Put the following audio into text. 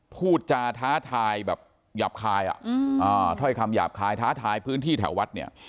พูดจาท้าทายแบบหยาบคายถ้อยคำหยาบคายท้าทายพื้นที่แถววัดเนี่ย